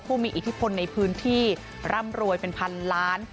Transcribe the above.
ผู้มีอิทธิพลในพื้นที่ร่ำรวยเป็นพันล้าน